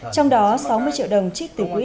trong đó sáu mươi triệu đồng trích từ quỹ